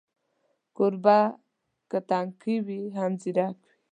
کوربه که تنکی وي، هم ځیرک وي.